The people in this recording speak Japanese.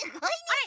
あれ？